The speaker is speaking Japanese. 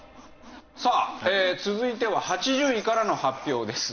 さあ続いては８０位からの発表です。